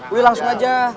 udah langsung aja